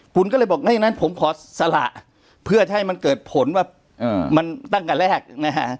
คุณก็เลยบอกไม่อย่างนั้นผมขอสละเพื่อจะให้มันเกิดผลว่ามันตั้งแต่แรกนะฮะ